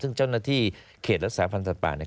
ซึ่งเจ้าหน้าที่เขตรักษาพันธ์สัตว์ป่าเนี่ย